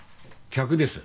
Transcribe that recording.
客です。